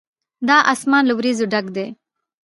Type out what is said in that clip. دا آسمان له وريځو ډک دی.